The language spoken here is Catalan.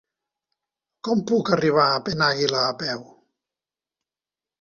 Com puc arribar a Penàguila a peu?